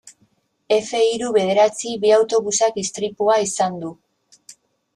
Efe hiru bederatzi bi autobusak istripua izan du.